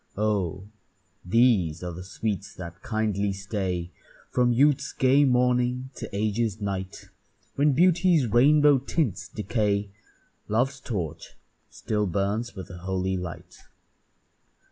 Oh! these are the sweets that kindly stay From youth's gay morning to age's night; When beauty's rainbow tints decay, Love's torch still burns with a holy light.